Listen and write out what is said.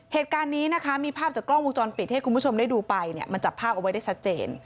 เหตุการณ์นี้นะคะมีภาพจากกล้องวงจรปิดให้คุณผู้ชมได้ดูไปเนี่ยมันจับภาพเอาไว้ได้ชัดเจน